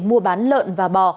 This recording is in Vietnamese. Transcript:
mua bán lợn và bò